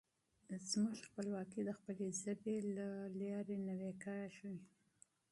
زموږ خپلواکي د خپلې ژبې له لارې نوي کېږي.